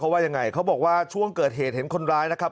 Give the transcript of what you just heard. ว่ายังไงเขาบอกว่าช่วงเกิดเหตุเห็นคนร้ายนะครับ